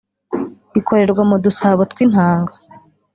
ikorerwa mu dusabo tw’intanga